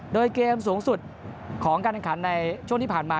โดยเกมสูงสุดของการแข่งขันในช่วงที่ผ่านมา